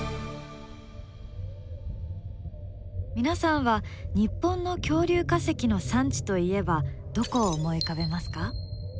皆さんは日本の恐竜化石の産地といえばどこを思い浮かべますか？